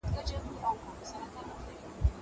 آغلي پروین ملال ته دي دا ورځ مبارک وي